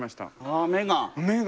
あ目が。